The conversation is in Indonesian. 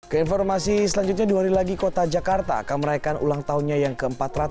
keinformasi selanjutnya dihari lagi kota jakarta akan meraihkan ulang tahunnya yang ke empat ratus delapan puluh sembilan